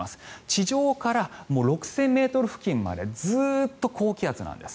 地上から６０００ｍ付近までずっと高気圧なんです。